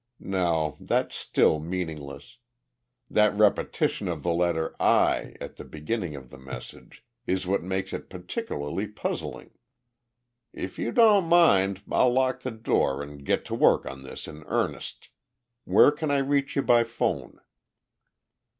No, that's still meaningless. That repetition of the letter 'i' at the beginning of the message is what makes it particularly puzzling. "If you don't mind, I'll lock the door and get to work on this in earnest. Where can I reach you by phone?"